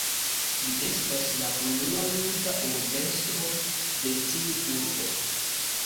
Li estas la unua juda urbestro de tiu urbo.